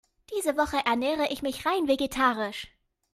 Diese Woche ernähre ich mich rein vegetarisch.